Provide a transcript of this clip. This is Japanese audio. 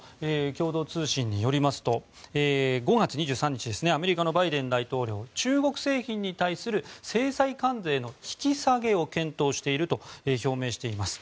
共同通信によりますと５月２３日ですねアメリカのバイデン大統領中国製品に対する制裁関税の引き下げを検討していると表明しています。